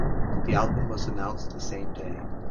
The album was announced the same day.